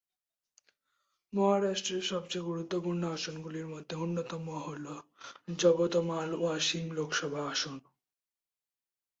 মহারাষ্ট্রের সবচেয়ে গুরুত্বপূর্ণ আসনগুলির মধ্যে অন্যতম হল যবতমাল-ওয়াসিম লোকসভা আসন।